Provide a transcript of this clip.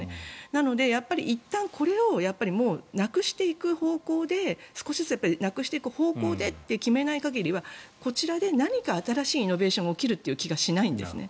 なので、いったんこれをなくしていく方向で少しずつなくしていく方向でって決めない限りはこちらで何か新しイノベーションが起きる気がしないんですね。